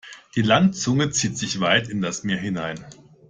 Die Landzunge zieht sich weit in das Meer hinein.